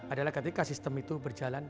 adalah ketika sistem itu berjalan